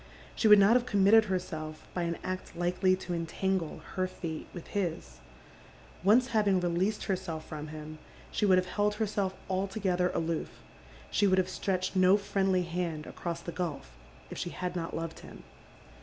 She would not have committed herself by an act likely to entangle her fate with his. Once liaving released herself from him she would have held her seir altogether aloof — KJie would have stretched no friendly hand across Die gidf if she Ind not loved him.